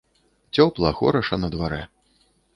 Цёпла, хораша на дварэ.